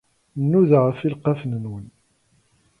Nnuda ɣef ileqqafen-nwen.